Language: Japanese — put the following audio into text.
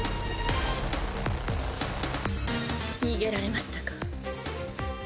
逃げられましたか。